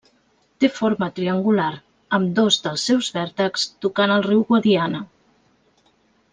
Té forma triangular, amb dos dels seus vèrtexs tocant el riu Guadiana.